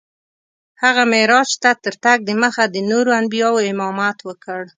هغه معراج ته تر تګ دمخه د نورو انبیاوو امامت وکړ.